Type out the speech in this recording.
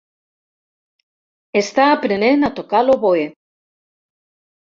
Està aprenent a tocar l'oboè.